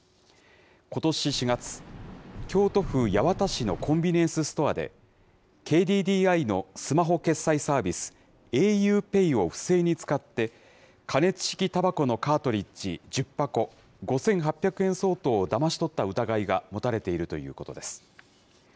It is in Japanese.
ことし４月、京都府八幡市のコンビニエンスストアで、ＫＤＤＩのスマホ決済サービス、ａｕＰＡＹを不正に使って、加熱式たばこのカートリッジ１０箱、５８００円相当をだまし取った疑いが持たれているということです。